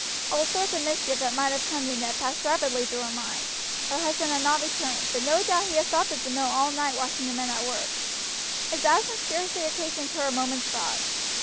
All sorts of mischief that might have come to Ned passed rapidly through her mind; her husband had not returned, but no doubt he had stopped at the mill all night watching the men at work. His absence scarcely occasioned her a moment's thought.